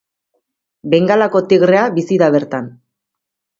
Bengalako tigrea bizi da bertan.